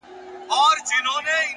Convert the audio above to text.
هوښیار انتخاب ستونزې له مخکې کموي.!